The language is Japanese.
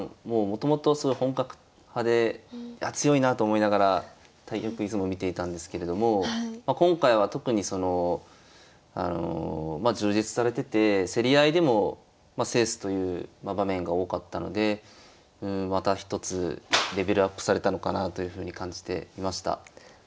もうもともとすごい本格派で強いなと思いながら対局いつも見ていたんですけれども今回は特にそのあのまあ充実されてて競り合いでもまあ制すという場面が多かったのでまた一つレベルアップされたのかなというふうに感じていました。